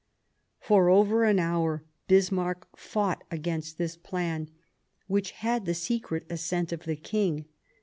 For over an hour Bismarck fought against this plan, which had the secret assent of the King.